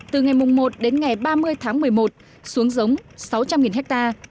từ ngày một đến ngày ba mươi tháng một mươi một xuống giống sáu trăm linh ha